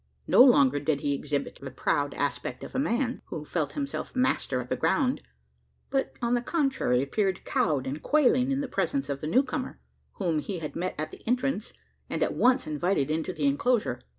No longer did he exhibit the proud aspect of a man, who felt himself master of the ground; but, on the contrary, appeared cowed and quailing in the presence of the new comer whom he had met at the entrance, and at once invited into the enclosure.